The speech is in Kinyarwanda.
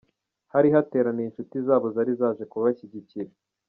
Hari hateraniye inshuti zabo zari zaje kubashyigikira.